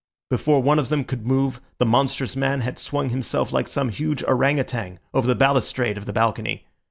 Before one of them could move, the monstrous man had swung himself like some huge ourang outang over the balustrade of the balcony.